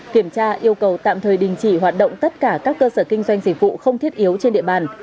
kiểm tra yêu cầu tạm thời đình chỉ hoạt động tất cả các cơ sở kinh doanh dịch vụ không thiết yếu trên địa bàn